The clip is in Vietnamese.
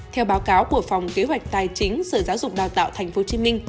theo báo cáo của phòng kế hoạch tài chính sở giáo dục đào tạo tp hcm